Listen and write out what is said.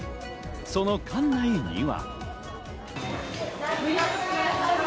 その館内には。